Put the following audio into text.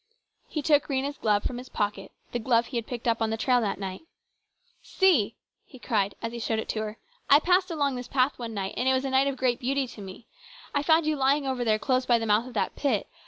He took Rhena's glove from his pocket, the glove he had picked up on the trail that night. " See !" he cried, as he showed it to her. " I passed along this path one night, and it was a night of great beauty to me. I found you lying over there close by the mouth of that pit.